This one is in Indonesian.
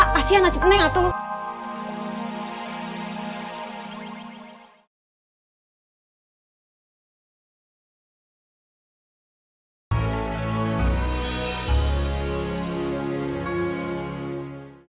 kasian nasib neng tuh